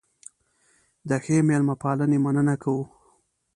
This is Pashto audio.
د ښې مېلمه پالنې مننه کوو.